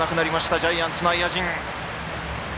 ジャイアンツ内野陣。